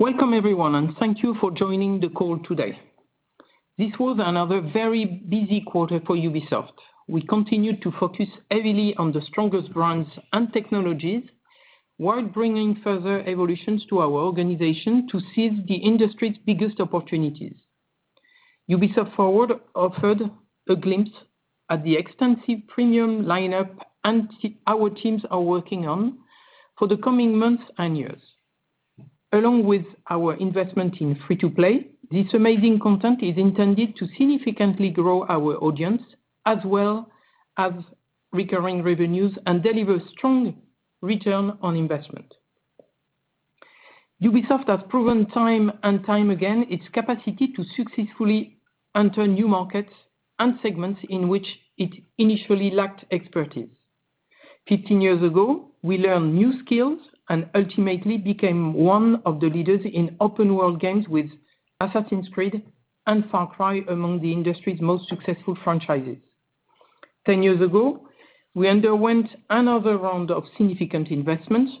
Welcome everyone. Thank you for joining the call today. This was another very busy quarter for Ubisoft. We continued to focus heavily on the strongest brands and technologies while bringing further evolutions to our organization to seize the industry's biggest opportunities. Ubisoft Forward offered a glimpse at the extensive premium lineup our teams are working on for the coming months and years. Along with our investment in free-to-play, this amazing content is intended to significantly grow our audience, as well as recurring revenues, and deliver strong return on investment. Ubisoft has proven time and time again its capacity to successfully enter new markets and segments in which it initially lacked expertise. 15 years ago, we learned new skills and ultimately became one of the leaders in open world games with Assassin's Creed and Far Cry among the industry's most successful franchises. Ten years ago, we underwent another round of significant investments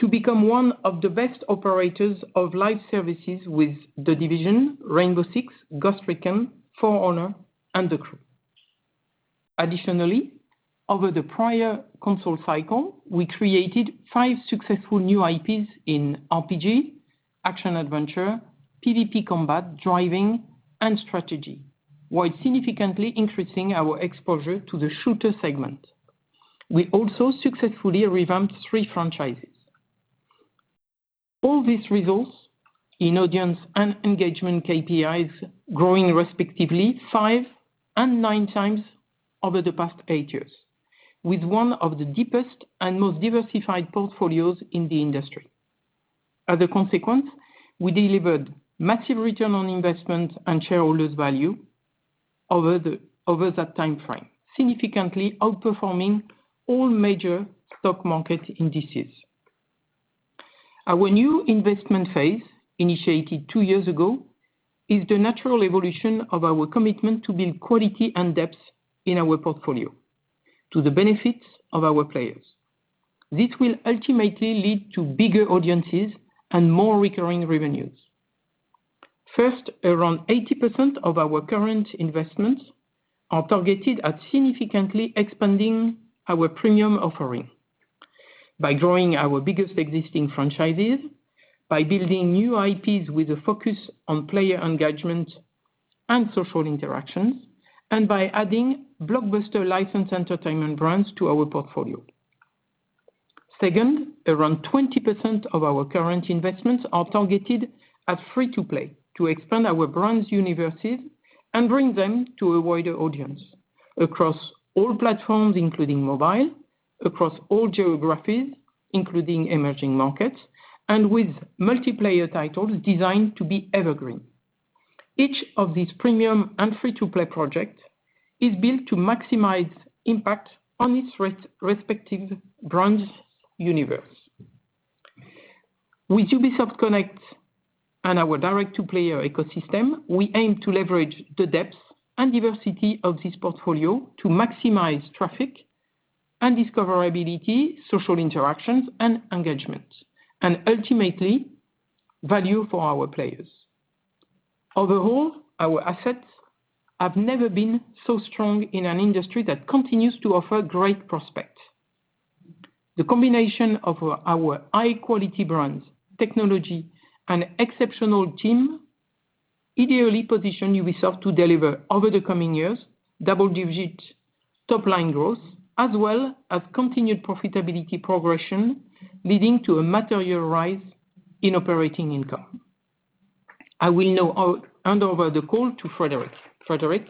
to become one of the best operators of live services with The Division, Rainbow Six, Ghost Recon, For Honor, and The Crew. Additionally, over the prior console cycle, we created five successful new IPs in RPG, action-adventure, PvP combat, driving, and strategy, while significantly increasing our exposure to the shooter segment. We also successfully revamped three franchises. All these results in audience and engagement KPIs growing respectively 5x and 9x over the past eight years, with one of the deepest and most diversified portfolios in the industry. As a consequence, we delivered massive return on investment and shareholders' value over that timeframe, significantly outperforming all major stock market indices. Our new investment phase, initiated two years ago, is the natural evolution of our commitment to build quality and depth in our portfolio to the benefit of our players. This will ultimately lead to bigger audiences and more recurring revenues. First, around 80% of our current investments are targeted at significantly expanding our premium offering by growing our biggest existing franchises, by building new IPs with a focus on player engagement and social interactions, and by adding blockbuster licensed entertainment brands to our portfolio. Second, around 20% of our current investments are targeted at free-to-play to expand our brands' universes and bring them to a wider audience across all platforms, including mobile, across all geographies, including emerging markets, and with multiplayer titles designed to be evergreen. Each of these premium and free-to-play projects is built to maximize impact on its respective brand's universe. With Ubisoft Connect and our direct-to-player ecosystem, we aim to leverage the depth and diversity of this portfolio to maximize traffic and discoverability, social interactions, and engagement, and ultimately, value for our players. Overall, our assets have never been so strong in an industry that continues to offer great prospects. The combination of our high-quality brands, technology, and exceptional team ideally position Ubisoft to deliver over the coming years, double-digit top-line growth, as well as continued profitability progression, leading to a material rise in operating income. I will now hand over the call to Frédérick. Frédérick?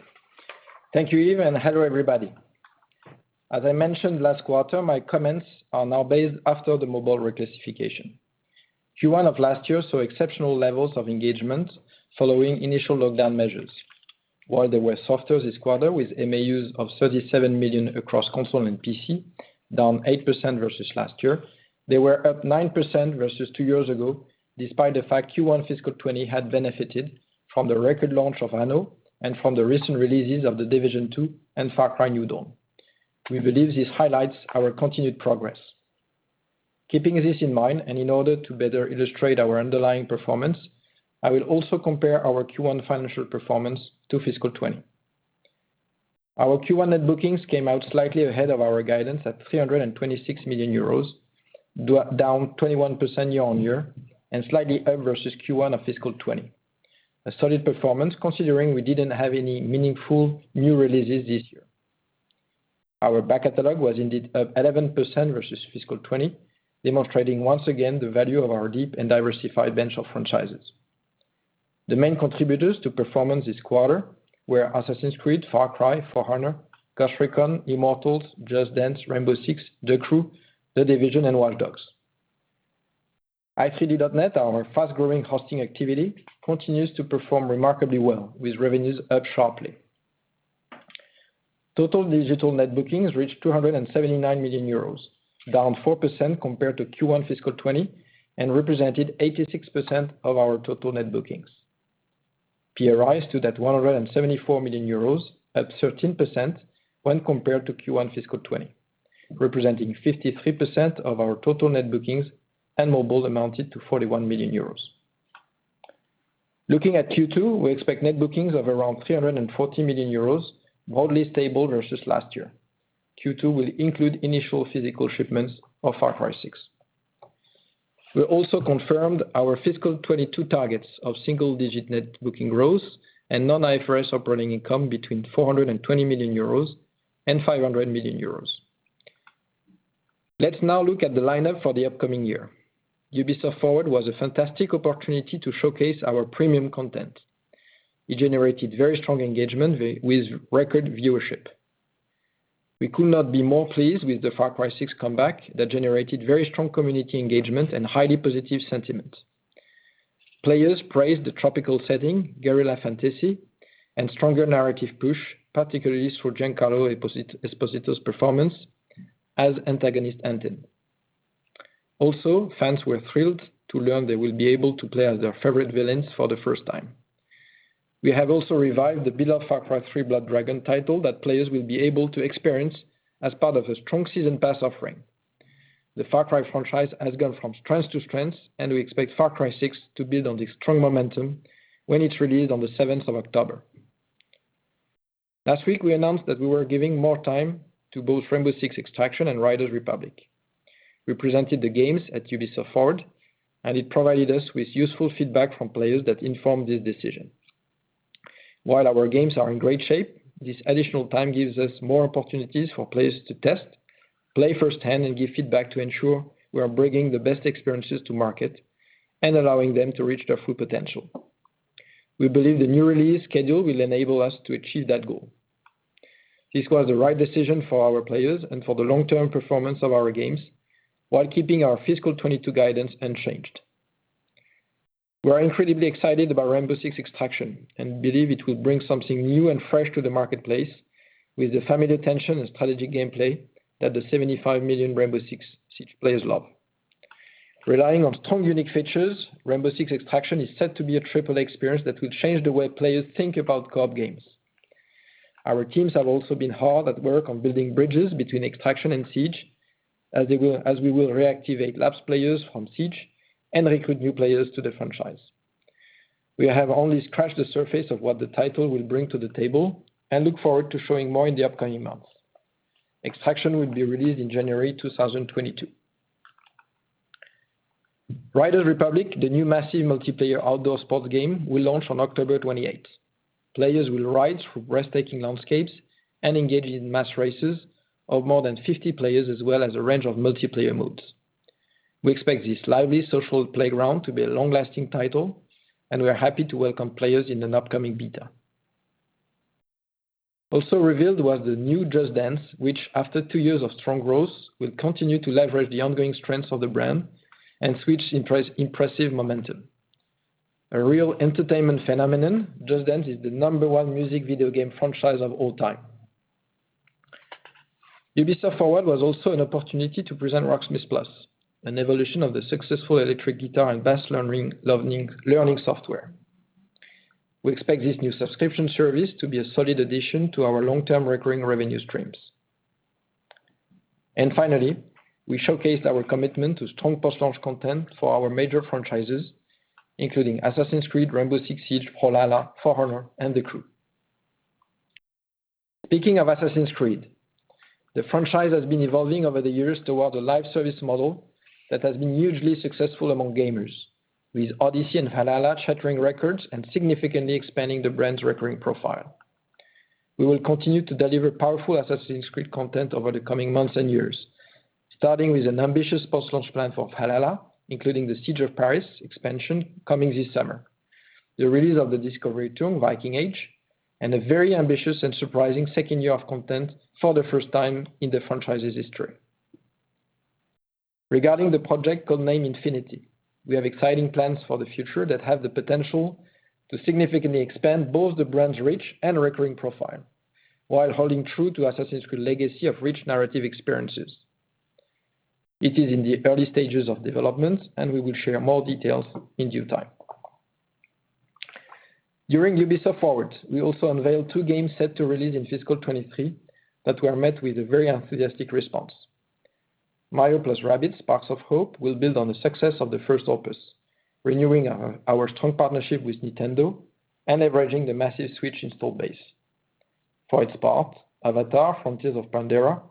Thank you, Yves, and hello everybody. As I mentioned last quarter, my comments are now based after the mobile reclassification. Q1 of last year saw exceptional levels of engagement following initial lockdown measures. While they were softer this quarter with MAUs of 37 million across console and PC, down 8% versus last year, they were up 9% versus two years ago, despite the fact Q1 fiscal 2020 had benefited from the record launch of Anno and from the recent releases of The Division 2 and Far Cry New Dawn. We believe this highlights our continued progress. Keeping this in mind, and in order to better illustrate our underlying performance, I will also compare our Q1 financial performance to fiscal 2020. Our Q1 net bookings came out slightly ahead of our guidance at 326 million euros, down 21% year-on-year, and slightly up versus Q1 of fiscal 2020. A solid performance considering we didn't have any meaningful new releases this year. Our back catalog was indeed up 11% versus fiscal 2020, demonstrating once again the value of our deep and diversified bench of franchises. The main contributors to performance this quarter were Assassin's Creed, Far Cry, For Honor, Ghost Recon, Immortals, Just Dance, Rainbow Six, The Crew, The Division, and Watch Dogs. i3D.net, our fast-growing hosting activity, continues to perform remarkably well, with revenues up sharply. Total digital net bookings reached 279 million euros, down 4% compared to Q1 fiscal 2020 and represented 86% of our total net bookings. PRIs stood at 174 million euros, up 13% when compared to Q1 fiscal 2020, representing 53% of our total net bookings, and mobile amounted to 41 million euros. Looking at Q2, we expect net bookings of around 340 million euros, broadly stable versus last year. Q2 will include initial physical shipments of Far Cry 6. We also confirmed our fiscal 2022 targets of single-digit net booking growth and non-IFRS operating income between 420 million euros and 500 million euros. Let's now look at the lineup for the upcoming year. Ubisoft Forward was a fantastic opportunity to showcase our premium content. It generated very strong engagement with record viewership. We could not be more pleased with the Far Cry 6 comeback that generated very strong community engagement and highly positive sentiment. Players praised the tropical setting, guerrilla fantasy, and stronger narrative push, particularly for Giancarlo Esposito's performance as antagonist Antón. Fans were thrilled to learn they will be able to play as their favorite villains for the first time. We have also revived the beloved Far Cry 3 Blood Dragon title that players will be able to experience as part of a strong season pass offering. The Far Cry franchise has gone from strength to strength. We expect Far Cry 6 to build on this strong momentum when it's released on the 7th of October. Last week, we announced that we were giving more time to both Rainbow Six Extraction and Riders Republic. We presented the games at Ubisoft Forward. It provided us with useful feedback from players that informed this decision. While our games are in great shape, this additional time gives us more opportunities for players to test, play firsthand and give feedback to ensure we are bringing the best experiences to market, and allowing them to reach their full potential. We believe the new release schedule will enable us to achieve that goal. This was the right decision for our players and for the long-term performance of our games while keeping our fiscal 2022 guidance unchanged. We're incredibly excited about Rainbow Six Extraction and believe it will bring something new and fresh to the marketplace with the familiar tension and strategic gameplay that the 75 million Rainbow Six Siege players love. Relying on strong, unique features, Rainbow Six Extraction is set to be a triple experience that will change the way players think about co-op games. Our teams have also been hard at work on building bridges between Extraction and Siege, as we will reactivate lapsed players from Siege and recruit new players to the franchise. We have only scratched the surface of what the title will bring to the table and look forward to showing more in the upcoming months. Extraction will be released in January 2022. Riders Republic, the new massive multiplayer outdoor sports game, will launch on October 28th. Players will ride through breathtaking landscapes and engage in mass races of more than 50 players, as well as a range of multiplayer modes. We expect this lively social playground to be a long-lasting title, and we're happy to welcome players in an upcoming beta. Also revealed was the new Just Dance, which after two years of strong growth, will continue to leverage the ongoing strengths of the brand and Switch's impressive momentum. A real entertainment phenomenon, Just Dance is the number one music video game franchise of all time. Ubisoft Forward was also an opportunity to present Rocksmith+, an evolution of the successful electric guitar and bass learning software. We expect this new subscription service to be a solid addition to our long-term recurring revenue streams. Finally, we showcased our commitment to strong post-launch content for our major franchises, including Assassin's Creed, Rainbow Six Siege, Valhalla, For Honor, and The Crew. Speaking of Assassin's Creed, the franchise has been evolving over the years towards a live service model that has been hugely successful among gamers with Odyssey and Valhalla shattering records and significantly expanding the brand's recurring profile. We will continue to deliver powerful Assassin's Creed content over the coming months and years, starting with an ambitious post-launch plan for Valhalla, including The Siege of Paris expansion coming this summer, the release of the Discovery Tour: Viking Age, and a very ambitious and surprising second year of content for the first time in the franchise's history. Regarding the project codename Infinity, we have exciting plans for the future that have the potential to significantly expand both the brand's reach and recurring profile while holding true to Assassin's Creed legacy of rich narrative experiences. It is in the early stages of development, and we will share more details in due time. During Ubisoft Forward, we also unveiled two games set to release in fiscal 2023 that were met with a very enthusiastic response. Mario + Rabbids Sparks of Hope will build on the success of the first opus, renewing our strong partnership with Nintendo and leveraging the massive Switch install base. For its part, Avatar: Frontiers of Pandora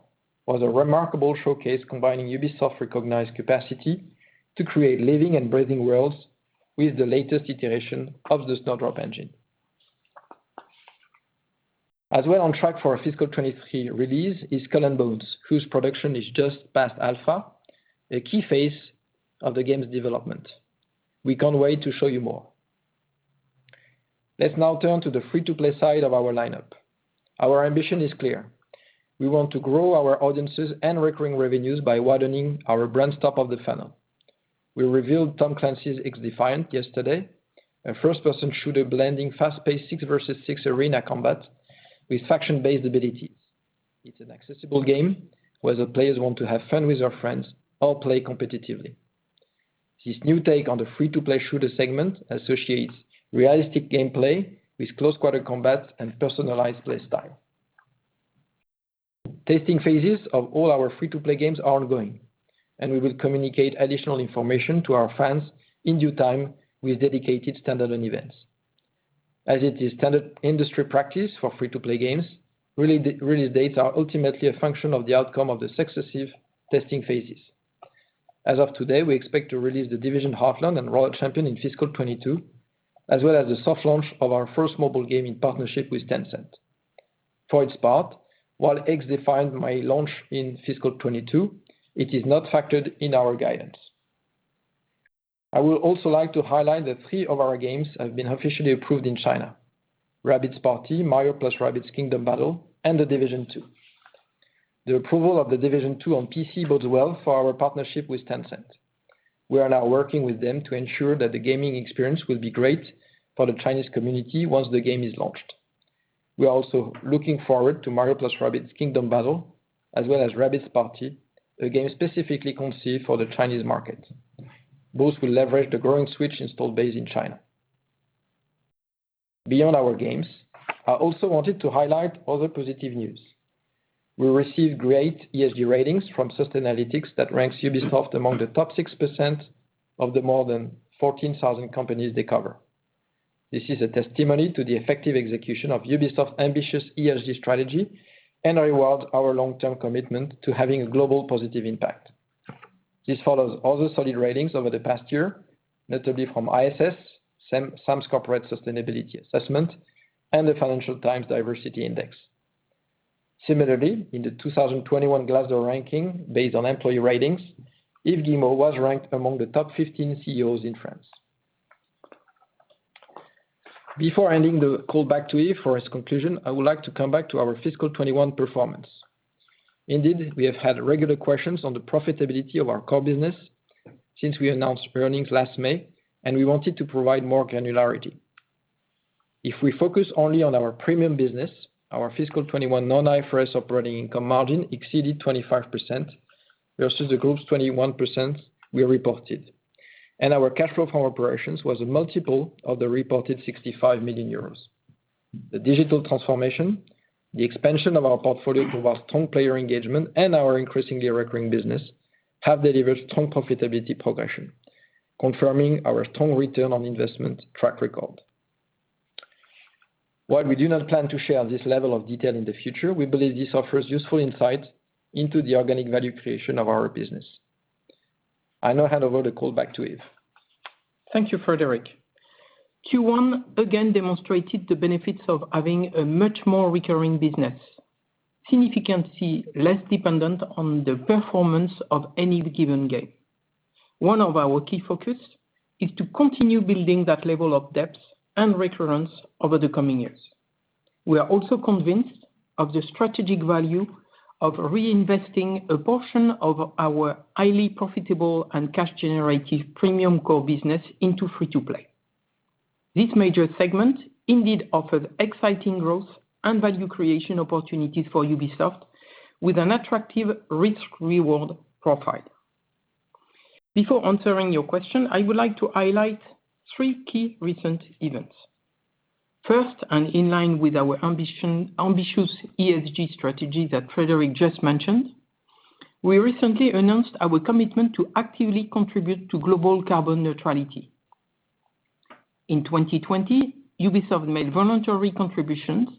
was a remarkable showcase combining Ubisoft's recognized capacity to create living and breathing worlds with the latest iteration of the Snowdrop engine. As we're on track for our fiscal 2023 release is Skull and Bones, whose production is just past alpha, a key phase of the game's development. We can't wait to show you more. Let's now turn to the free-to-play side of our lineup. Our ambition is clear. We want to grow our audiences and recurring revenues by widening our brand's top of the funnel. We revealed Tom Clancy's XDefiant yesterday, a first-person shooter blending fast-paced 6 versus 6 arena combat with faction-based abilities. It's an accessible game, whether players want to have fun with their friends or play competitively. This new take on the free-to-play shooter segment associates realistic gameplay with close quarter combat and personalized play style. Testing phases of all our free-to-play games are ongoing, and we will communicate additional information to our fans in due time with dedicated standalone events. As it is standard industry practice for free-to-play games, release dates are ultimately a function of the outcome of the successive testing phases. As of today, we expect to release The Division Heartland and Roller Champions in fiscal 2022, as well as the soft launch of our first mobile game in partnership with Tencent. For its part, while XDefiant may launch in fiscal 2022, it is not factored in our guidance. I would also like to highlight that three of our games have been officially approved in China: Rabbids: Party of Legends, Mario + Rabbids Kingdom Battle, and The Division 2. The approval of The Division 2 on PC bodes well for our partnership with Tencent. We are now working with them to ensure that the gaming experience will be great for the Chinese community once the game is launched. We are also looking forward to Mario + Rabbids Kingdom Battle, as well as Rabbids: Party of Legends, a game specifically conceived for the Chinese market. Both will leverage the growing Switch install base in China. Beyond our games, I also wanted to highlight other positive news. We received great ESG ratings from Sustainalytics that ranks Ubisoft among the top 6% of the more than 14,000 companies they cover. This is a testimony to the effective execution of Ubisoft's ambitious ESG strategy and rewards our long-term commitment to having a global positive impact. This follows other solid ratings over the past year, notably from ISS, SAM Corporate Sustainability Assessment, and the Financial Times Diversity index. Similarly, in the 2021 Glassdoor ranking based on employee ratings, Yves Guillemot was ranked among the top 15 CEOs in France. Before handing the call back to Yves for his conclusion, I would like to come back to our fiscal 2021 performance. We have had regular questions on the profitability of our core business since we announced earnings last May, and we wanted to provide more granularity. If we focus only on our premium business, our fiscal 2021 non-IFRS operating income margin exceeded 25%, versus the group's 21% we reported, and our cash flow from operations was a multiple of the reported 65 million euros. The digital transformation, the expansion of our portfolio to boost strong player engagement, and our increasingly recurring business have delivered strong profitability progression, confirming our strong return on investment track record. We do not plan to share this level of detail in the future, we believe this offers useful insight into the organic value creation of our business. I now hand over the call back to Yves. Thank you, Frédérick. Q1 again demonstrated the benefits of having a much more recurring business, significantly less dependent on the performance of any given game. One of our key focus is to continue building that level of depth and recurrence over the coming years. We are also convinced of the strategic value of reinvesting a portion of our highly profitable and cash-generative premium core business into free to play. This major segment indeed offers exciting growth and value creation opportunities for Ubisoft with an attractive risk/reward profile. Before answering your question, I would like to highlight three key recent events. First, in line with our ambitious ESG strategy that Frédérick just mentioned, we recently announced our commitment to actively contribute to global carbon neutrality. In 2020, Ubisoft made voluntary contributions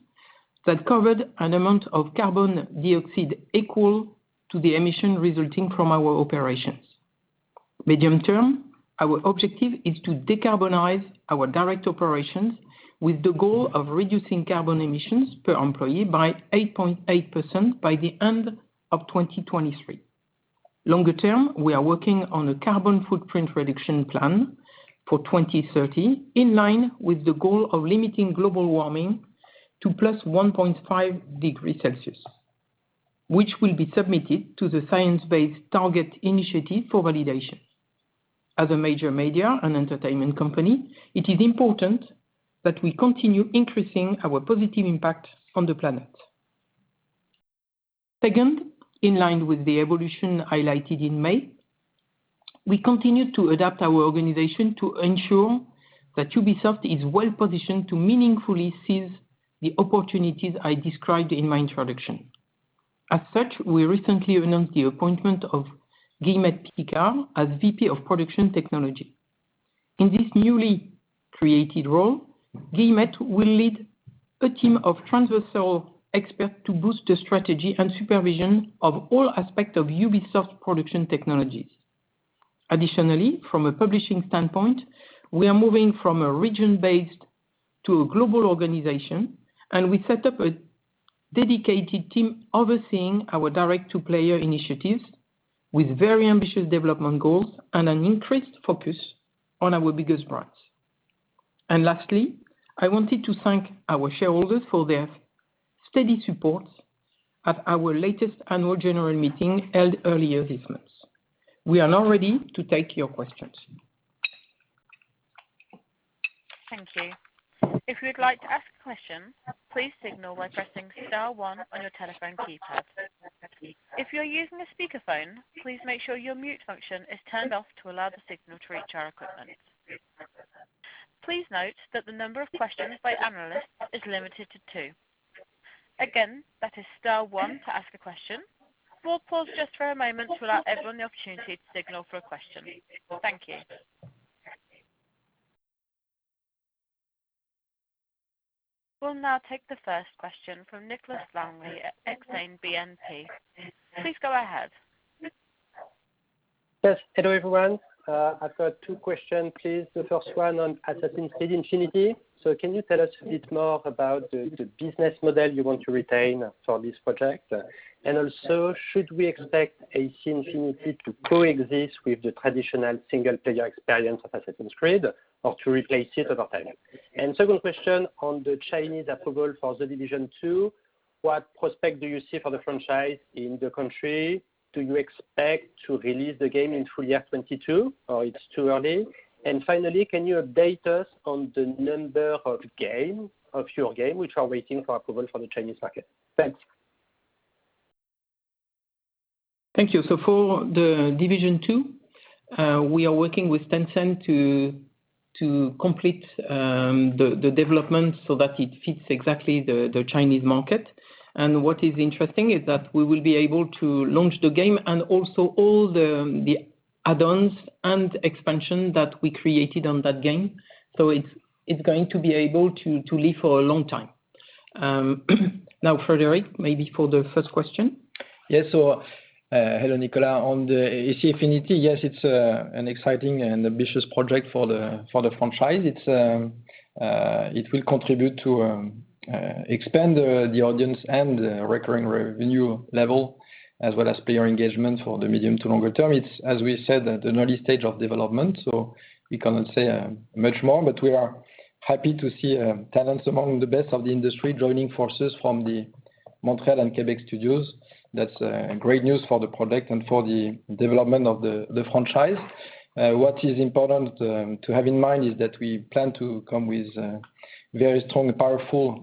that covered an amount of carbon dioxide equal to the emission resulting from our operations. Medium term, our objective is to decarbonize our direct operations with the goal of reducing carbon emissions per employee by 8.8% by the end of 2023. Longer term, we are working on a carbon footprint reduction plan for 2030 in line with the goal of limiting global warming to +1.5 degrees Celsius, which will be submitted to the Science Based Targets initiative for validation. As a major media and entertainment company, it is important that we continue increasing our positive impact on the planet. Second, in line with the evolution highlighted in May, we continue to adapt our organization to ensure that Ubisoft is well positioned to meaningfully seize the opportunities I described in my introduction. As such, we recently announced the appointment of Guillemette Picard as VP of Production Technology. In this newly created role, Guillemette will lead a team of transversal experts to boost the strategy and supervision of all aspects of Ubisoft production technologies. From a publishing standpoint, we are moving from a region-based to a global organization, and we set up a dedicated team overseeing our direct-to-player initiatives with very ambitious development goals and an increased focus on our biggest brands. Lastly, I wanted to thank our shareholders for their steady support at our latest annual general meeting held earlier this month. We are now ready to take your questions. Thank you. If you would like to ask a question, please signal by pressing star one on your telephone keypad. If you're using a speakerphone, please make sure your mute function is turned off to allow the signal to reach our equipment. Please note that the number of questions by analyst is limited to two. Again, that is star one to ask a question. We'll pause just for a moment to allow everyone the opportunity to signal for a question. Thank you. We'll now take the first question from Nicolas Langlet at Exane BNP Paribas. Please go ahead. Yes. Hello, everyone. I've got two questions, please. The first one on Assassin's Creed Infinity. Can you tell us a bit more about the business model you want to retain for this project? Also, should we expect AC Infinity to coexist with the traditional single-player experience of Assassin's Creed or to replace it over time? Second question on the Chinese approval for The Division 2, what prospect do you see for the franchise in the country? Do you expect to release the game in full year 2022, or is it too early? Finally, can you update us on the number of your games, which are waiting for approval for the Chinese market? Thanks. Thank you. For The Division 2, we are working with Tencent to complete the development so that it fits exactly the Chinese market. What is interesting is that we will be able to launch the game and also all the add-ons and expansion that we created on that game. It's going to be able to live for a long time. Now, Frédérick, maybe for the first question. Yes. Hello, Nicolas. On the AC Infinity, yes, it's an exciting and ambitious project for the franchise. It will contribute to expand the audience and the recurring revenue level as well as player engagement for the medium to longer term. It's, as we said, at an early stage of development, so we cannot say much more, but we are happy to see talents among the best of the industry joining forces from the Montreal and Quebec studios. That's great news for the product and for the development of the franchise. What is important to have in mind is that we plan to come with very strong and powerful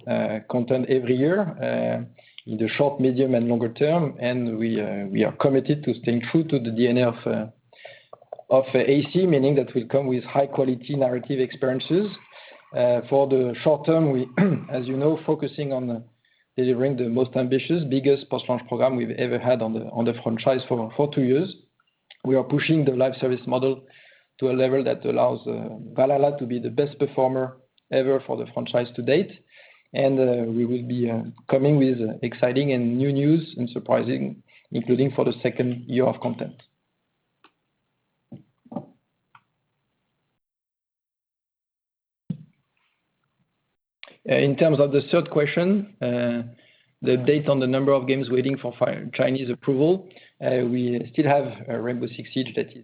content every year, in the short, medium, and longer term. We are committed to staying true to the DNA of AC, meaning that we come with high-quality narrative experiences. For the short term, we, as you know, focusing on delivering the most ambitious, biggest post-launch program we've ever had on the franchise for two years. We are pushing the live service model to a level that allows Valhalla to be the best performer ever for the franchise to date. We will be coming with exciting and new news and surprising, including for the second year of content. In terms of the third question, the date on the number of games waiting for Chinese approval, we still have Rainbow Six Siege that is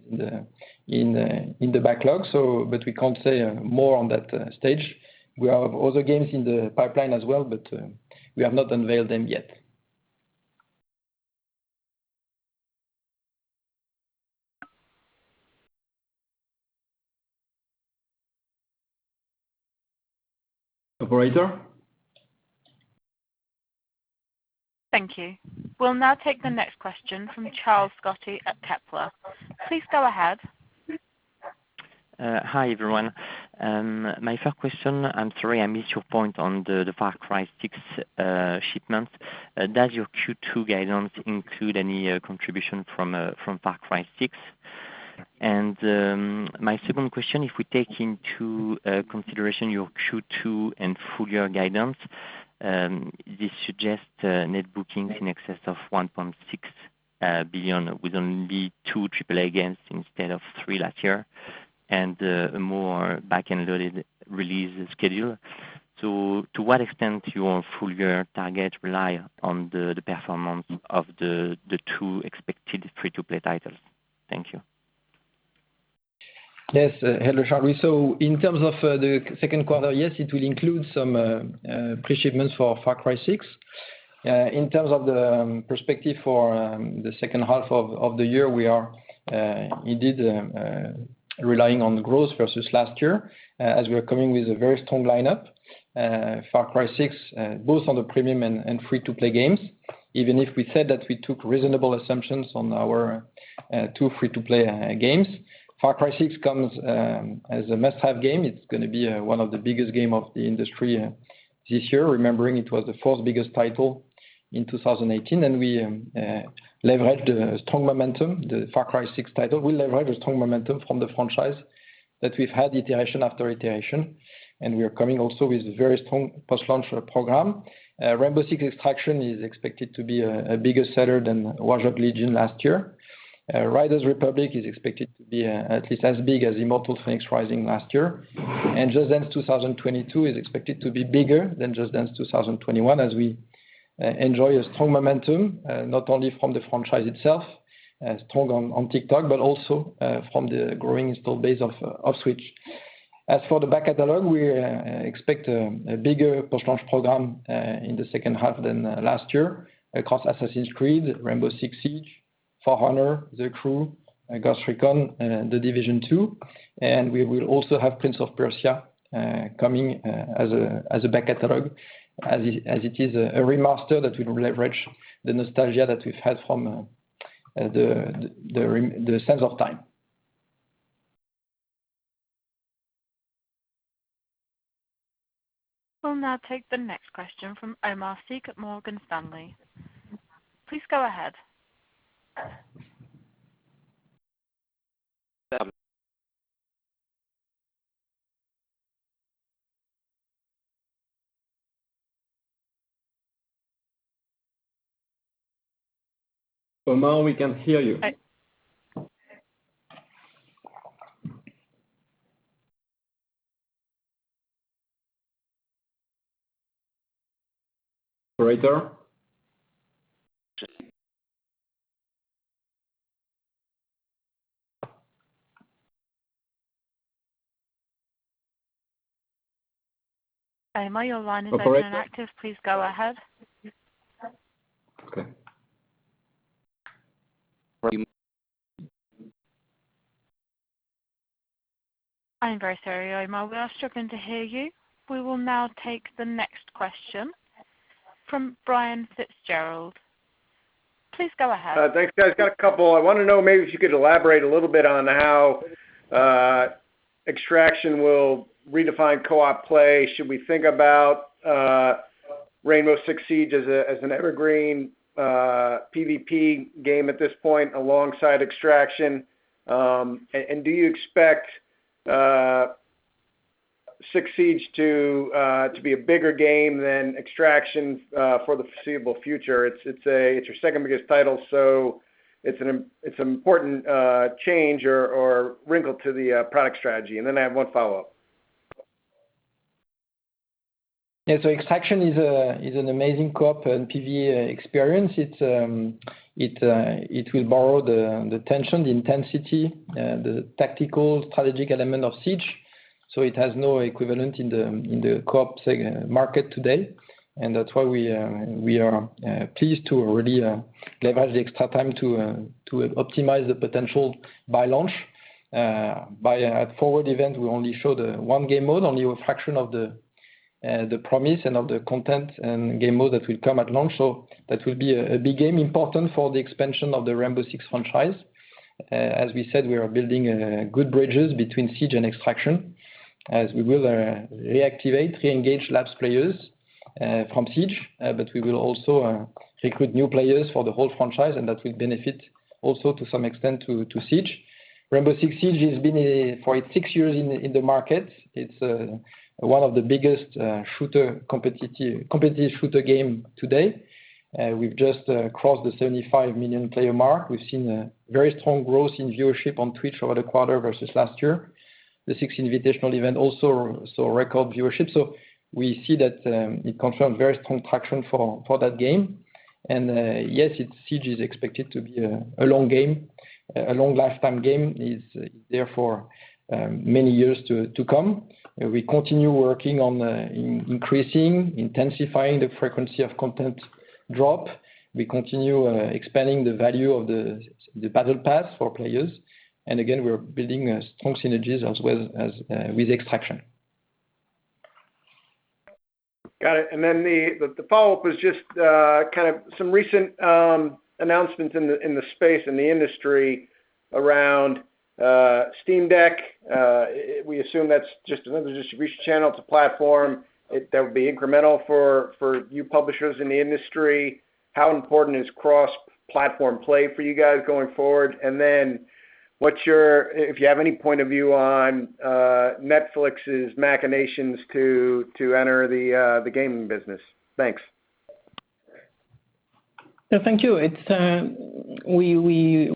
in the backlog, but we can't say more on that stage. We have other games in the pipeline as well, but we have not unveiled them yet. Operator? Thank you. We'll now take the next question from Charles Scotti at Kepler. Please go ahead. Hi, everyone. My first question, I am sorry, I missed your point on the Far Cry 6 shipments. Does your Q2 guidance include any contribution from Far Cry 6? My second question, if we take into consideration your Q2 and full-year guidance, this suggests net booking in excess of 1.6 billion with only two AAA games instead of three last year, and a more backend-loaded release schedule. To what extent your full-year target rely on the performance of the two expected free-to-play titles? Thank you. Yes. Hello, Charles. In terms of the second quarter, yes, it will include some pre-shipments for Far Cry 6. In terms of the perspective for the second half of the year, we are indeed relying on growth versus last year as we are coming with a very strong lineup. Far Cry 6, both on the premium and free-to-play games, even if we said that we took reasonable assumptions on our two free-to-play games. Far Cry 6 comes as a must-have game. It's going to be one of the biggest game of the industry this year, remembering it was the fourth biggest title in 2018. The Far Cry 6 title will leverage the strong momentum from the franchise that we've had iteration after iteration, and we are coming also with very strong post-launch program. Rainbow Six Extraction is expected to be a bigger seller than Watch Dogs: Legion last year. Riders Republic is expected to be at least as big as Immortals Fenyx Rising last year. Just Dance 2022 is expected to be bigger than Just Dance 2021 as we enjoy a strong momentum, not only from the franchise itself, strong on TikTok, but also from the growing install base of Switch. As for the back catalog, we expect a bigger post-launch program in the second half than last year across Assassin's Creed, Rainbow Six Siege, For Honor, The Crew, Ghost Recon, The Division 2, and we will also have Prince of Persia coming as a back catalog, as it is a remaster that will leverage the nostalgia that we've had from the Sands of Time. We'll now take the next question from Omar Sheikh at Morgan Stanley. Please go ahead. Omar, we can't hear you. Operator? Omar, your line is active. Please go ahead. Okay. I'm very sorry, Omar, we are struggling to hear you. We will now take the next question from Brian Fitzgerald. Please go ahead. Thanks, guys. Got a couple. I want to know maybe if you could elaborate a little bit on how Extraction will redefine co-op play. Should we think about Rainbow Six Siege as an evergreen PvP game at this point, alongside Extraction? Do you expect Six Siege to be a bigger game than Extraction for the foreseeable future? It's your second biggest title, so it's an important change or wrinkle to the product strategy. I have one follow-up. Yeah. Extraction is an amazing co-op and PvP experience. It will borrow the tension, the intensity, the tactical strategic element of Siege. It has no equivalent in the co-op market today, and that's why we are pleased to already leverage the extra time to optimize the potential by launch. At Forward event, we only show the one game mode, only a fraction of the promise and of the content and game mode that will come at launch. That will be a big game important for the expansion of the Rainbow Six franchise. As we said, we are building good bridges between Siege and Extraction as we will reactivate, re-engage lapsed players from Siege, but we will also recruit new players for the whole franchise, and that will benefit also to some extent to Siege. Rainbow Six Siege has been for six years in the market. It's one of the biggest competitive shooter game today. We've just crossed the 75 million player mark. We've seen a very strong growth in viewership on Twitch over the quarter versus last year. The Six Invitational event also saw record viewership. We see that it confirms very strong traction for that game. Yes, Siege is expected to be a long game, a long lifetime game, is therefore many years to come. We continue working on increasing, intensifying the frequency of content drop. We continue expanding the value of the battle path for players. Again, we're building strong synergies as well with Extraction. Got it. The follow-up is just kind of some recent announcements in the space, in the industry around Steam Deck. We assume that's just another distribution channel. It's a platform that would be incremental for you publishers in the industry. How important is cross-platform play for you guys going forward? If you have any point of view on Netflix's machinations to enter the gaming business. Thanks. No, thank you.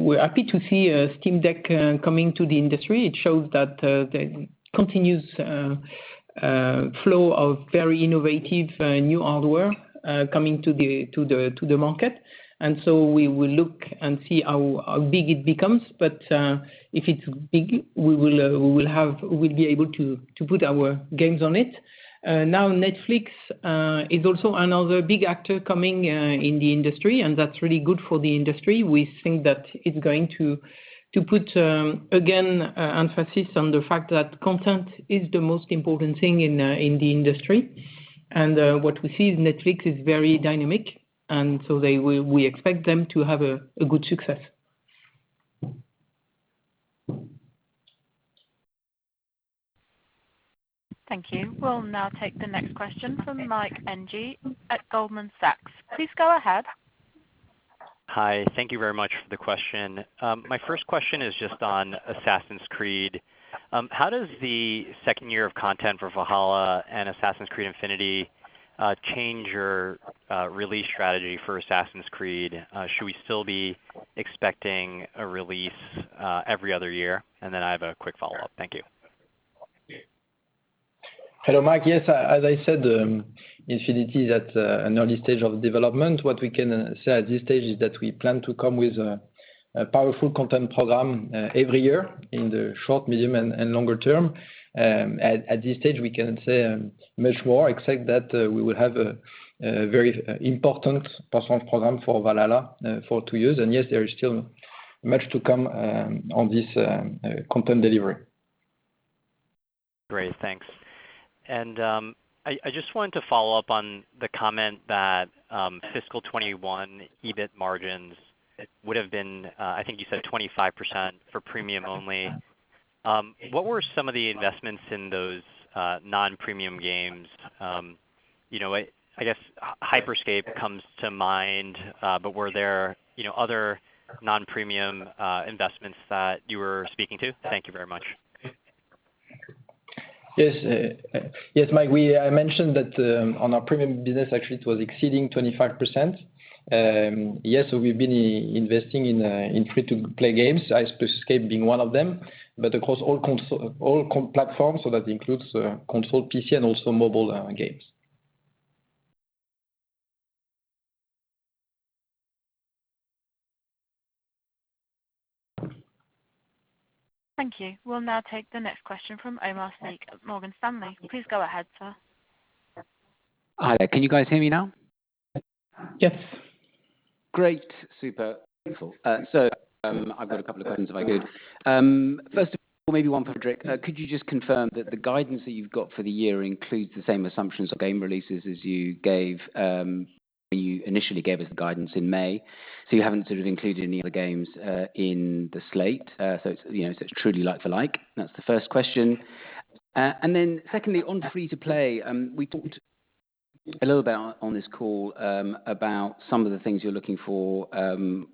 We're happy to see a Steam Deck coming to the industry. It shows that the continuous flow of very innovative new hardware coming to the market. We will look and see how big it becomes. If it's big, we'll be able to put our games on it. Netflix is also another big actor coming in the industry, and that's really good for the industry. We think that it's going to put, again, emphasis on the fact that content is the most important thing in the industry. What we see is Netflix is very dynamic, we expect them to have a good success. Thank you. We'll now take the next question from Mike Ng at Goldman Sachs. Please go ahead. Hi. Thank you very much for the question. My first question is just on Assassin's Creed. How does the second year of content for Valhalla and Assassin's Creed Infinity change your release strategy for Assassin's Creed? Should we still be expecting a release every other year? I have a quick follow-up. Thank you. Hello, Mike. Yes. As I said, Infinity is at an early stage of development. What we can say at this stage is that we plan to come with a powerful content program every year in the short, medium, and longer term. At this stage, we can't say much more except that we will have a very important personal program for Valhalla for two years. Yes, there is still much to come on this content delivery. Great. Thanks. I just wanted to follow up on the comment that FY 2021 EBIT margins would've been, I think you said 25% for premium only. What were some of the investments in those non-premium games? I guess, Hyper Scape comes to mind, but were there other non-premium investments that you were speaking to? Thank you very much. Yes. Mike, I mentioned that on our premium business actually it was exceeding 25%. Yes, we've been investing in free-to-play games, Hyper Scape being one of them, but across all platforms, so that includes console, PC, and also mobile games. Thank you. We'll now take the next question from Omar Sheikh at Morgan Stanley. Please go ahead, sir. Hi there. Can you guys hear me now? Yes. Great. Super. Thank you. I've got a couple of questions if I could. First of all, maybe one for Frédérick. Could you just confirm that the guidance that you've got for the year includes the same assumptions of game releases as you initially gave as guidance in May? You haven't sort of included any other games in the slate, so it's truly like for like. That's the first question. Secondly, on free to play, we talked a little bit on this call about some of the things you're looking for from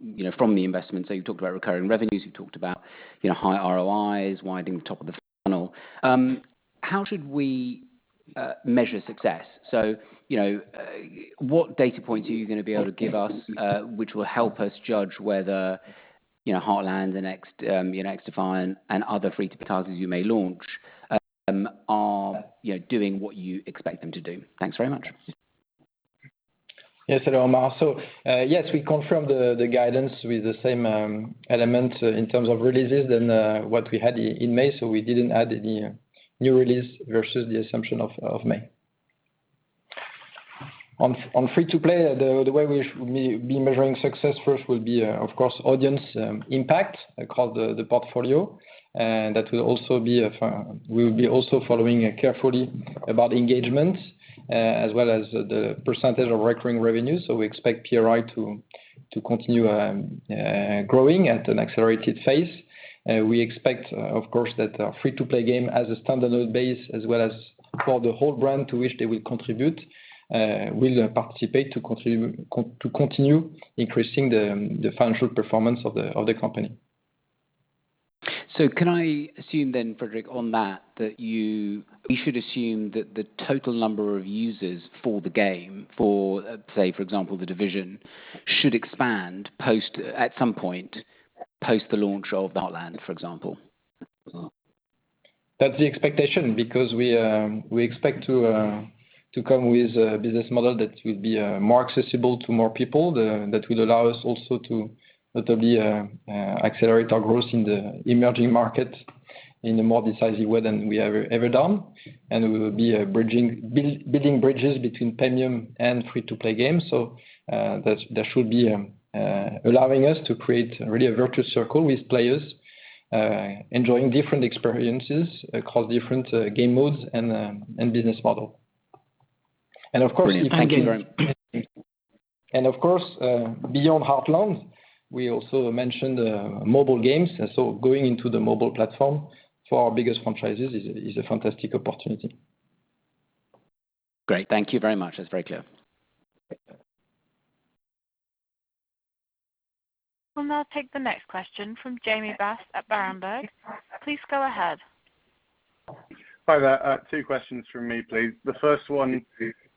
the investment. You've talked about recurring revenues, you've talked about high ROIs, widening the top of the funnel. How should we measure success? What data points are you going to be able to give us, which will help us judge whether Heartland, the next XDefiant and other free-to-play titles you may launch are doing what you expect them to do? Thanks very much. Yes. Hello, Omar. Yes, we confirm the guidance with the same elements in terms of releases than what we had in May. On free-to-play, the way we should be measuring success first will be, of course, audience impact across the portfolio. We'll be also following carefully about engagement, as well as the % of recurring revenue. We expect PRI to continue growing at an accelerated phase. We expect, of course, that free-to-play game as a standalone base, as well as for the whole brand to which they will contribute, will participate to continue increasing the financial performance of the company. Can I assume then, Frédérick, on that, we should assume that the total number of users for the game, for say, for example, The Division should expand at some point post the launch of Heartland, for example? That's the expectation because we expect to come with a business model that will be more accessible to more people, that will allow us also to literally accelerate our growth in the emerging market in a more decisive way than we have ever done. We will be building bridges between premium and free to play games. That should be allowing us to create really a virtuous circle with players enjoying different experiences across different game modes and business model. Brilliant. Thank you very much. Of course, beyond Heartland, we also mentioned mobile games. Going into the mobile platform for our biggest franchises is a fantastic opportunity. Great. Thank you very much. That's very clear. We'll now take the next question from Jamie Bass at Berenberg. Please go ahead. Hi there. Two questions from me, please. The first one,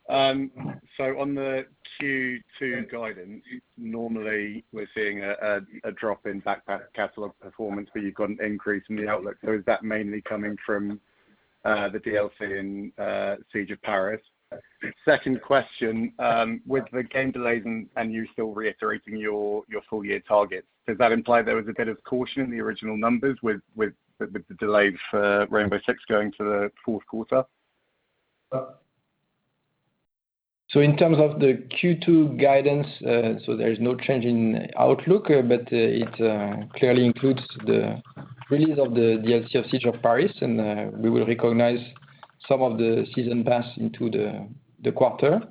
so on the Q2 guidance, normally we're seeing a drop in back catalog performance, but you've got an increase in the outlook. Is that mainly coming from the DLC in The Siege of Paris? Second question, with the game delays and you still reiterating your full-year targets, does that imply there was a bit of caution in the original numbers with the delay for Rainbow Six going to the fourth quarter? In terms of the Q2 guidance, there is no change in outlook, it clearly includes the release of the DLC of The Siege of Paris, we will recognize some of the season pass into the quarter.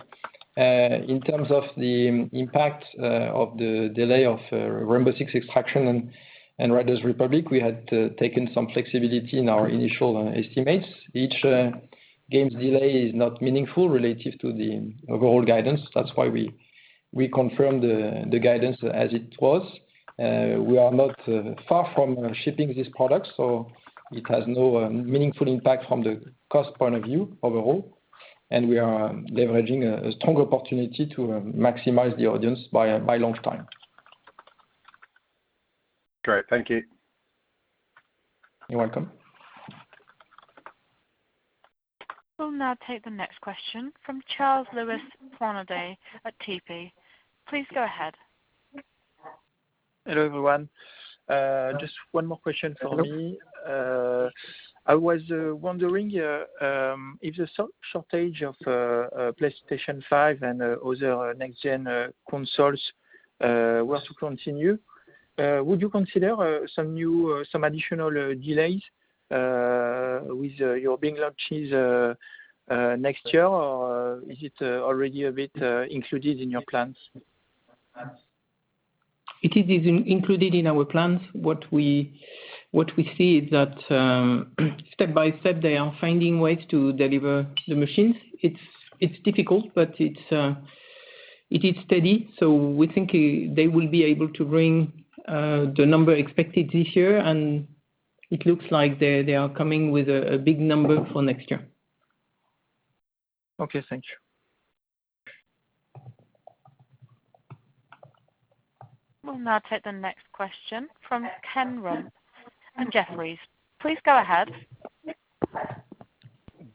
In terms of the impact of the delay of Rainbow Six Extraction and Riders Republic, we had taken some flexibility in our initial estimates. Each game's delay is not meaningful relative to the overall guidance. That's why we confirmed the guidance as it was. We are not far from shipping these products, it has no meaningful impact from the cost point of view overall, we are leveraging a strong opportunity to maximize the audience by long time. Great. Thank you. You're welcome. We'll now take the next question from Charles Louis Planade at TP. Please go ahead. Hello, everyone. Just one more question for me. I was wondering if the shortage of PlayStation 5 and other next gen consoles were to continue. Would you consider some additional delays with your big launches next year, or is it already a bit included in your plans? It is included in our plans. What we see is that, step-by-step, they are finding ways to deliver the machines. It's difficult, but it is steady. We think they will be able to bring the number expected this year, and it looks like they are coming with a big number for next year. Okay. Thank you. We'll now take the next question from Ken Rumph at Jefferies. Please go ahead.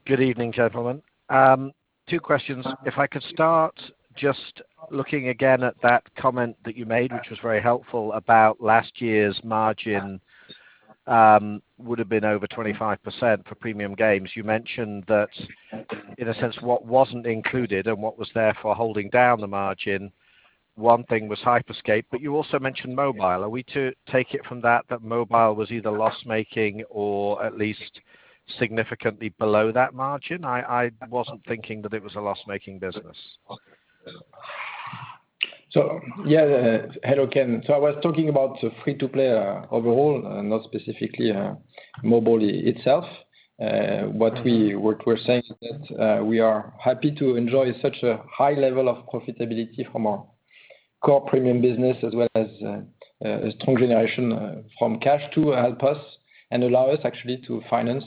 Good evening, gentlemen. two questions. If I could start just looking again at that comment that you made, which was very helpful, about last year's margin would've been over 25% for premium games. You mentioned that, in a sense, what wasn't included and what was therefore holding down the margin, one thing was Hyper Scape, but you also mentioned mobile. Are we to take it from that mobile was either loss-making or at least significantly below that margin? I wasn't thinking that it was a loss-making business. Yeah. Hello, Ken. I was talking about free-to-play overall, not specifically mobile itself. What we're saying is that we are happy to enjoy such a high level of profitability from our core premium business, as well as a strong generation from cash to help us and allow us actually to finance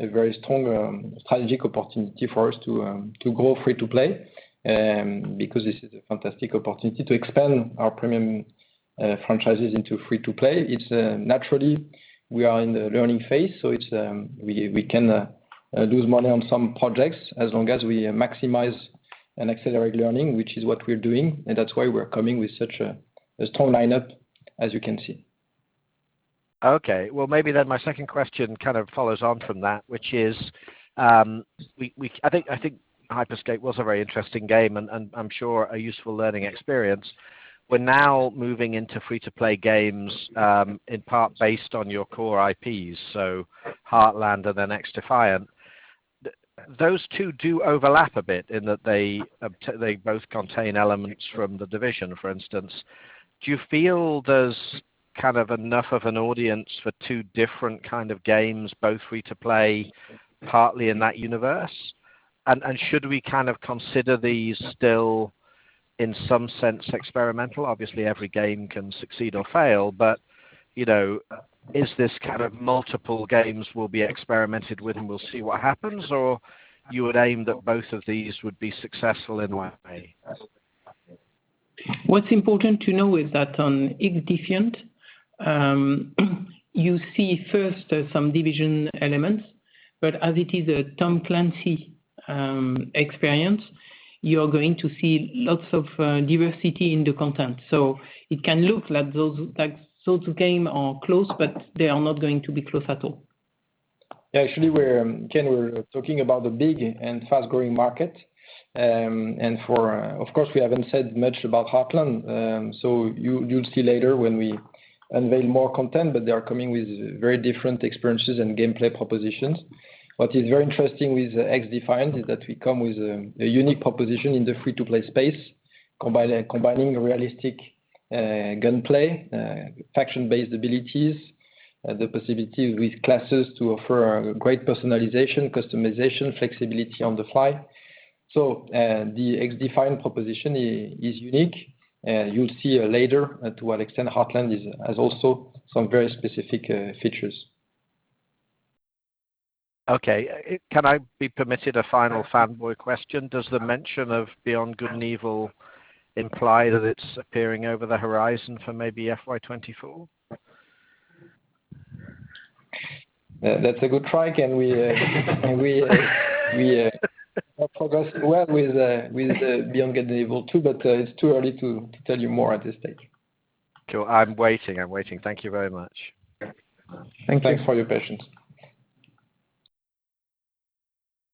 a very strong strategic opportunity for us to go free-to-play, because this is a fantastic opportunity to expand our premium franchises into free-to-play. Naturally, we are in the learning phase, so we can lose money on some projects as long as we maximize and accelerate learning, which is what we're doing, and that's why we're coming with such a strong lineup, as you can see. Okay. Well, maybe then my second question kind of follows on from that, which is, I think Hyper Scape was a very interesting game and I'm sure a useful learning experience. We're now moving into free-to-play games, in part based on your core IPs, so Heartland and then XDefiant. Those two do overlap a bit in that they both contain elements from The Division, for instance. Do you feel there's kind of enough of an audience for two different kind of games, both free-to-play, partly in that universe? Should we kind of consider these still, in some sense, experimental? Obviously, every game can succeed or fail, is this kind of multiple games will be experimented with and we'll see what happens, or you would aim that both of these would be successful in one way? What's important to know is that on XDefiant, you see first some Division elements, but as it is a Tom Clancy experience, you're going to see lots of diversity in the content. It can look like those sorts of game are close, but they are not going to be close at all. Actually, Ken, we're talking about the big and fast-growing market. Of course, we haven't said much about Heartland, so you'll see later when we unveil more content, but they are coming with very different experiences and gameplay propositions. What is very interesting with XDefiant is that we come with a unique proposition in the free-to-play space, combining realistic gunplay, faction-based abilities, the possibility with classes to offer great personalization, customization, flexibility on the fly. The XDefiant proposition is unique. You'll see later to what extent Heartland has also some very specific features. Okay. Can I be permitted a final fanboy question? Does the mention of Beyond Good & Evil imply that it's appearing over the horizon for maybe FY 2024? That's a good try, Ken. We have progressed well with Beyond Good & Evil 2, but it's too early to tell you more at this stage. Sure. I'm waiting. Thank you very much. Thank you for your patience.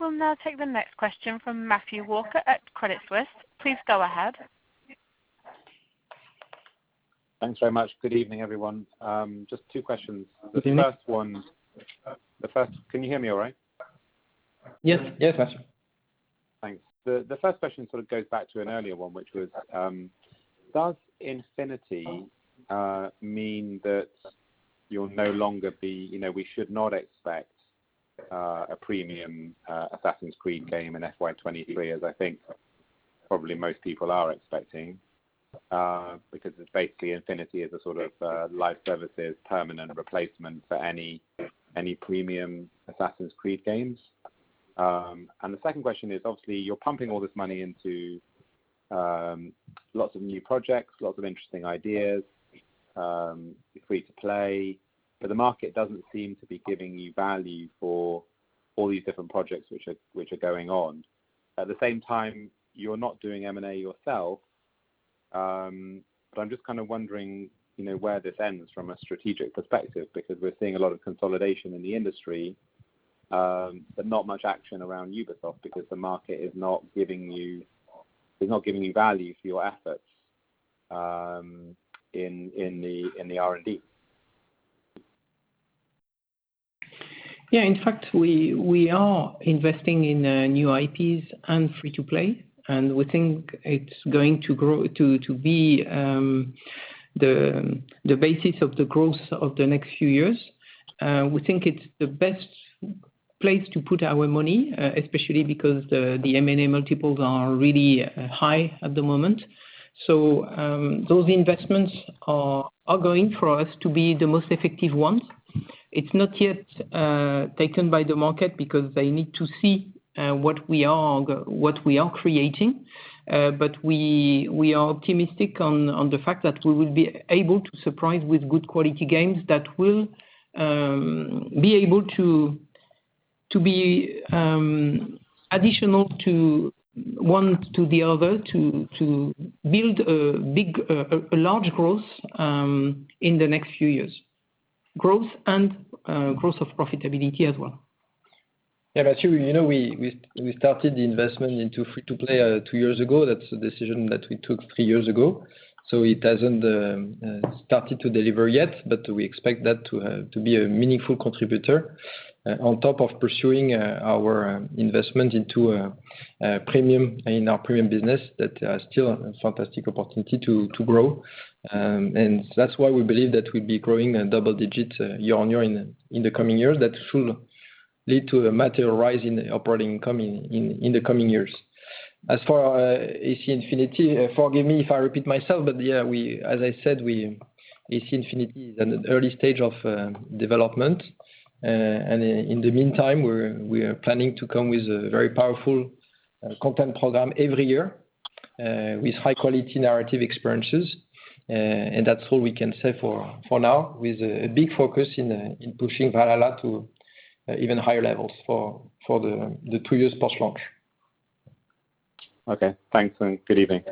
We'll now take the next question from Matthew Walker at Credit Suisse. Please go ahead. Thanks very much. Good evening, everyone. Just two questions. Good evening. The first one. Can you hear me all right? Yes, Matthew. Thanks. The first question sort of goes back to an earlier one, which was, does Infinity mean that we should not expect a premium Assassin's Creed game in FY 2023, as I think probably most people are expecting? Because it's basically Infinity is a sort of live services permanent replacement for any premium Assassin's Creed games. The second question is obviously you're pumping all this money into lots of new projects, lots of interesting ideas, free-to-play, but the market doesn't seem to be giving you value for all these different projects which are going on. At the same time, you're not doing M&A yourself, but I'm just kind of wondering where this ends from a strategic perspective, because we're seeing a lot of consolidation in the industry, but not much action around Ubisoft because the market is not giving you value for your efforts in the R&D. Yeah, in fact, we are investing in new IPs and free-to-play, and we think it's going to be the basis of the growth of the next few years. We think it's the best place to put our money, especially because the M&A multiples are really high at the moment. Those investments are going for us to be the most effective ones. It's not yet taken by the market because they need to see what we are creating. We are optimistic on the fact that we will be able to surprise with good quality games that will be able to be additional to one to the other, to build a large growth in the next few years. Growth and growth of profitability as well. Yeah. Actually, we started the investment into free-to-play two years ago. That's a decision that we took three years ago, so it hasn't started to deliver yet, but we expect that to be a meaningful contributor on top of pursuing our investment in our premium business that still a fantastic opportunity to grow. That's why we believe that we'd be growing a double-digit year-on-year in the coming years that should lead to a material rise in operating income in the coming years. As for AC Infinity, forgive me if I repeat myself, but yeah, as I said, AC Infinity is in an early stage of development. In the meantime, we are planning to come with a very powerful content program every year with high-quality narrative experiences. That's all we can say for now with a big focus in pushing Valhalla to even higher levels for the two years post-launch. Okay, thanks and good evening.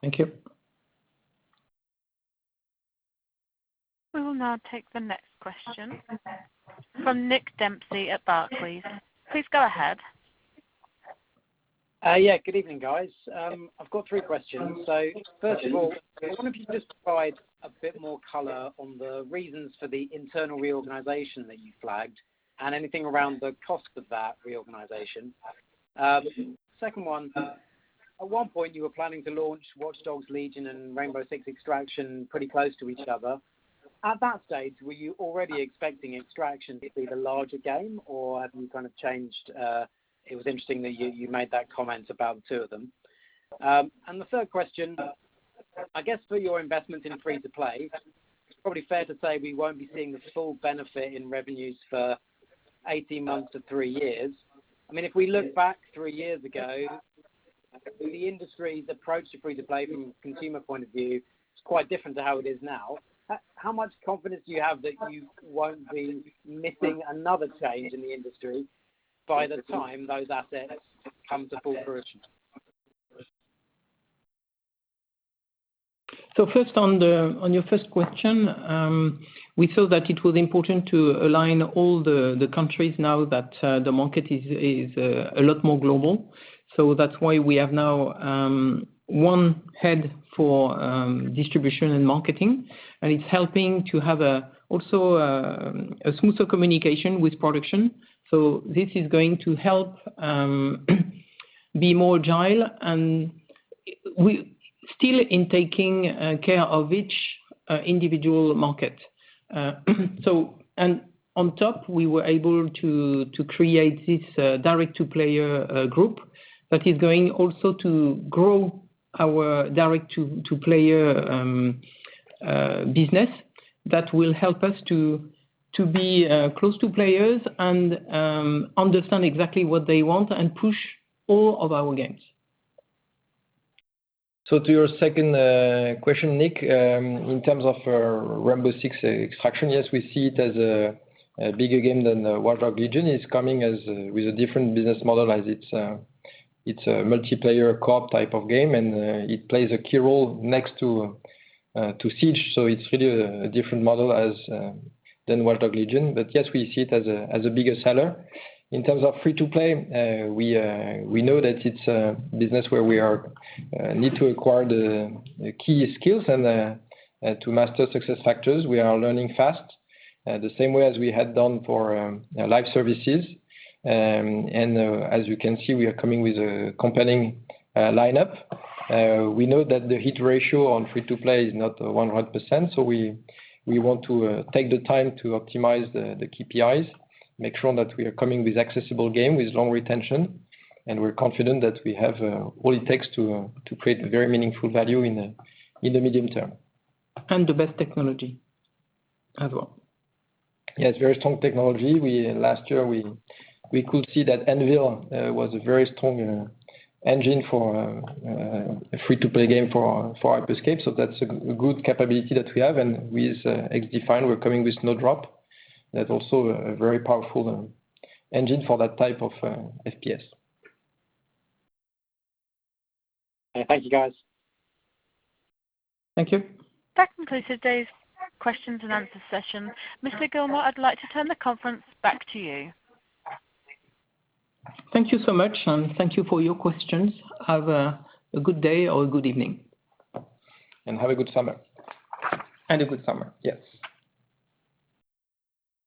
Thank you. We will now take the next question from Nick Dempsey at Barclays. Please go ahead. Good evening, guys. I've got three questions. First of all, I wonder if you could just provide a bit more color on the reasons for the internal reorganization that you flagged and anything around the cost of that reorganization. Second one, at one point you were planning to launch Watch Dogs: Legion and Rainbow Six Extraction pretty close to each other. At that stage, were you already expecting Extraction to be the larger game, or have you kind of changed? It was interesting that you made that comment about the two of them. The third question, I guess for your investment in free-to-play, it's probably fair to say we won't be seeing the full benefit in revenues for 18 months to three years. If we look back three years ago, the industry's approach to free-to-play from a consumer point of view is quite different to how it is now. How much confidence do you have that you won't be missing another change in the industry by the time those assets come to full fruition? First, on your first question, we thought that it was important to align all the countries now that the market is a lot more global. That's why we have now one head for distribution and marketing, and it's helping to have also a smoother communication with production. This is going to help be more agile, and we still in taking care of each individual market. On top, we were able to create this direct-to-player group that is going also to grow our direct-to-player business that will help us to be close to players and understand exactly what they want and push all of our games. To your second question, Nick, in terms of Rainbow Six Extraction, yes, we see it as a bigger game than Watch Dogs: Legion. It's coming with a different business model as it's a multiplayer co-op type of game, and it plays a key role next to Siege. It's really a different model than Watch Dogs: Legion. Yes, we see it as a bigger seller. In terms of free-to-play, we know that it's a business where we are need to acquire the key skills and to master success factors. We are learning fast, the same way as we had done for live services. As you can see, we are coming with a compelling lineup. We know that the hit ratio on free to play is not 100%, so we want to take the time to optimize the KPIs, make sure that we are coming with accessible game, with long retention, and we're confident that we have all it takes to create a very meaningful value in the medium term. The best technology as well. Yes, very strong technology. Last year, we could see that Anvil was a very strong engine for a free-to-play game for Hyper Scape. That's a good capability that we have, and with XDefiant we're coming with Snowdrop. That's also a very powerful engine for that type of FPS. Thank you, guys. Thank you. That concludes today's questions and answer session. Mr. Guillemot, I'd like to turn the conference back to you. Thank you so much, and thank you for your questions. Have a good day or a good evening. Have a good summer. A good summer. Yes.